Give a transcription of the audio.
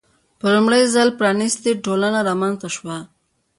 په لومړي ځل پرانیستې ټولنه رامنځته شوه.